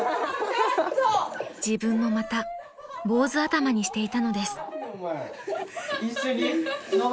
［自分もまた坊主頭にしていたのです］